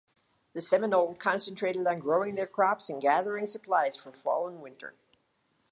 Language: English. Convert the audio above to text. The Seminole concentrated on growing their crops and gathering supplies for fall and winter.